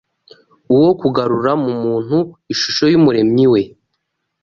uwo kugarura mu muntu ishusho y’Umuremyi we